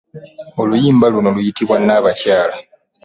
Oluyimba luno luyitibwa Nnabakyala .